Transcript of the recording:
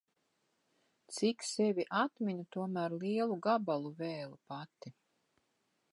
Cik sevi atminu, tomēr lielu gabalu vēlu pati.